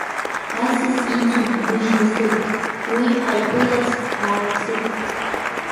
Асас ицуп быжь-насыԥк, уи ҳаиԥыларц ҳааласып.